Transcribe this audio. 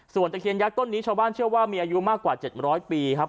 ส่วนตะเคียนยักษ์ต้นนี้ชาวบ้านเชื่อว่ามีอายุมากกว่า๗๐๐ปีครับ